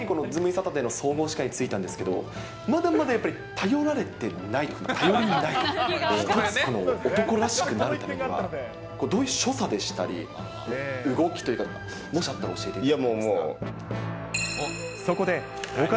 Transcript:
サタデーの総合司会についたんですけど、まだまだやっぱり頼られてないというか、頼りないというか、一つ男らしくなるためにはどういう所作でしたり、動きというか、もしあったら教えていただけますか。